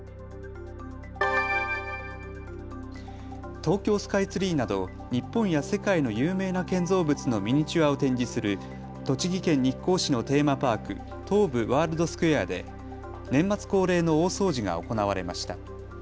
東京スカイツリーなど、日本や世界の有名な建造物のミニチュアを展示する栃木県日光市のテーマパーク、東武ワールドスクウェアで年末恒例の大掃除が行われました。